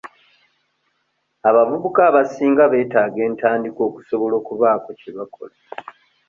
Abavubuka abasinga beetaaga entandikwa okusobola okubaako kye bakola.